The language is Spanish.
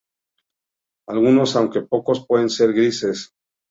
Algunos, aunque pocos, pueden ser grises.